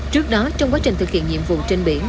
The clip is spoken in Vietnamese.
trước đó trong quá trình thực hiện nhiệm vụ trên biển